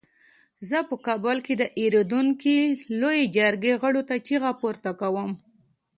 زه په کابل کې د دایریدونکې لویې جرګې غړو ته چیغه پورته کوم.